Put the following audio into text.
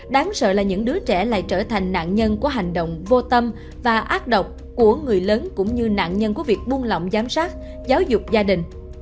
đáng sợ là những đứa trẻ lại trở thành nạn nhân của hành động vô tâm và ác độc của người lớn cũng như nạn nhân của việc buông lỏng giám sát giáo dục gia đình